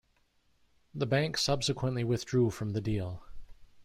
The bank subsequentially withdrew from the deal.